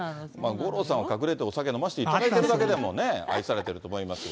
五郎さんは隠れてお酒飲ませていただいているだけでも、愛されてると思いますが。